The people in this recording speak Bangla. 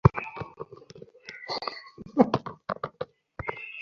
যাঁর অনাদর কল্পনা করা যায় না সংসারে তাঁরও অনাদর ঘটে।